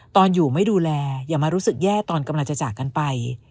ตอนอยู่ไม่ดูแลอย่ามารู้สึกแย่ตอนกำลังจะจากกันไป